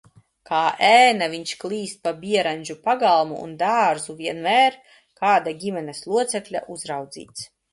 Kā ēna viņš klīst pa Bierandžu pagalmu un dārzu, vienmēr kāda ģimenes locekļa uzraudzīts.